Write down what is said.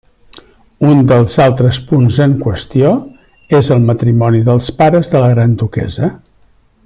Un dels altres punt en qüestió és el matrimoni dels pares de la gran duquessa.